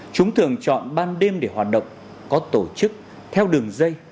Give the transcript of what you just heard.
chúng thường chọn ban đêm để hoạt động có tổ chức theo đường dây